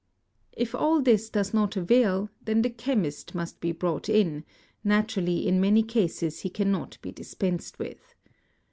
If all this does not avail, then the chemist must be brought in, naturally in many cases he cannot be dispensed with.